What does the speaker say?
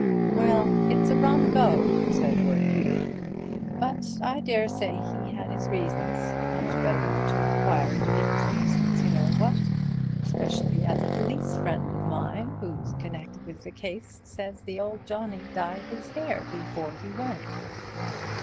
"Well, it's a rum go," said Lord Peter, "but I daresay he had his reasons. Much better not enquire into people's reasons, y'know, what? Specially as a police friend of mine who's connected with the case says the old johnnie dyed his hair before he went."